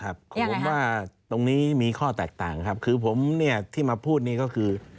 ผมว่าตรงนี้มีข้อแตกต่างครับคือผมเนี่ยที่มาพูดนี้ก็คือ